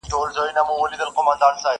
او نوي معناوي لټوي ډېر.